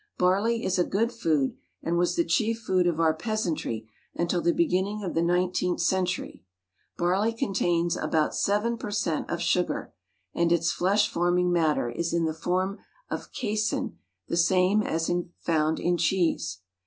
Barley is a good food, and was the chief food of our peasantry until the beginning of the nineteenth century. Barley contains about 7 per cent. of sugar, and its flesh forming matter is in the form of casin the same as is found in cheese.